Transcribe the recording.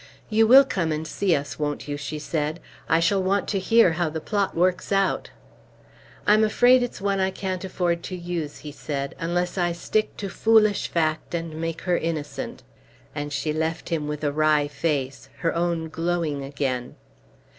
"You will come and see us, won't you?" she said. "I shall want to hear how the plot works out." "I am afraid it's one I can't afford to use," he said, "unless I stick to foolish fact and make her innocent." And she left him with a wry face, her own glowing again.